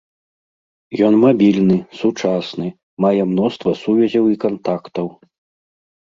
Ён мабільны, сучасны, мае мноства сувязяў і кантактаў.